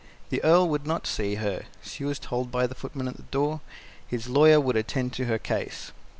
The Earl would not see her, she was told by the footman at the door; his lawyer would attend to her case.